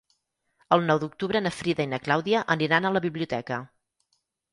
El nou d'octubre na Frida i na Clàudia aniran a la biblioteca.